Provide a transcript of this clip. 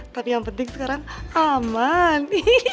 tapi yang penting sekarang aman